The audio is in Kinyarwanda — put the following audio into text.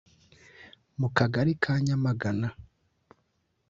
mu Kagari ka Nyamagana